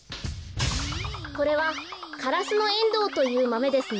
これはカラスノエンドウというマメですね。